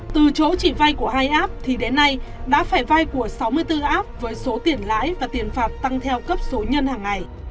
từ chỗ chỉ vay của hai app thì đến nay đã phải vay của sáu mươi bốn app với số tiền lãi và tiền phạt tăng theo cấp số nhân hàng ngày